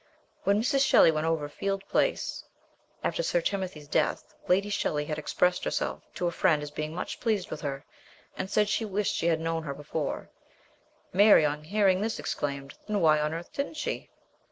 When Mrs. Shelley went over Field Place after Sir Timothy's death, Lady Shelley had expressed herself to a friend as being much pleased with her, and said she wished she had known her before : Mary on hearing this exclaimed, " Then why on earth didn't she